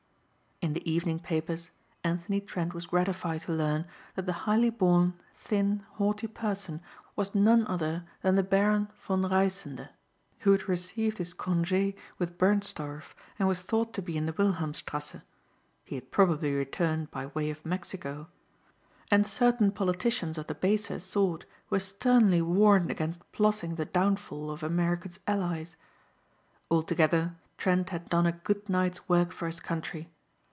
In the evening papers Anthony Trent was gratified to learn that the highly born, thin, haughty person was none other than the Baron von Reisende who had received his congé with Bernstorff and was thought to be in the Wilmhelmstrasse. He had probably returned by way of Mexico. And certain politicians of the baser sort were sternly warned against plotting the downfall of America's allies. Altogether Trent had done a good night's work for his country.